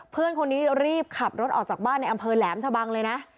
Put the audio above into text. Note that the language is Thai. เพื่อนคนนี้รีบขับรถออกจากบ้านในอำเภอแหลมชะบังเลยนะ